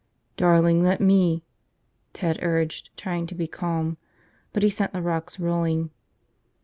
... "Darling, let me," Ted urged, trying to be calm; but he sent the rocks rolling.